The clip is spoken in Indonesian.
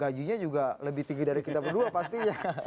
gajinya juga lebih tinggi dari kita berdua pastinya